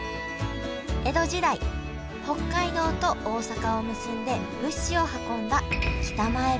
江戸時代北海道と大阪を結んで物資を運んだ北前船